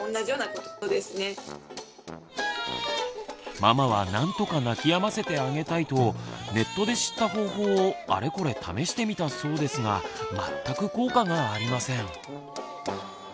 ママは何とか泣きやませてあげたいとネットで知った方法をあれこれ試してみたそうですが全く効果がありません。